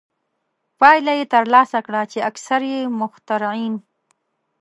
پایله یې ترلاسه کړه چې اکثریت مخترعین.